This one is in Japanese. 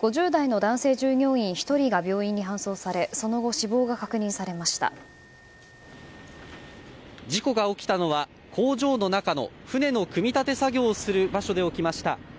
５０代の男性作業員１人が病院に搬送され事故が起きたのは、工場の中の船の組み立て作業をする場所で起きました。